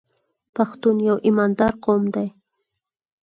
پښتون یو ایماندار قوم دی.